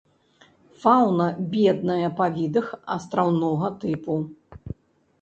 Фауна бедная па відах, астраўнога тыпу.